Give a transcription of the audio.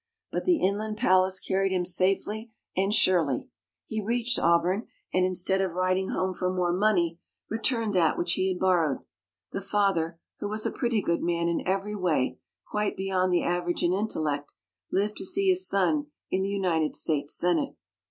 But the inland palace carried him safely and surely. He reached Auburn, and instead of writing home for more money, returned that which he had borrowed. The father, who was a pretty good man in every way, quite beyond the average in intellect, lived to see his son in the United States Senate.